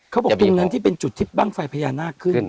เขาบอกว่าตรงนั้นที่เป็นจุดที่บังไฟพญานาคขึ้น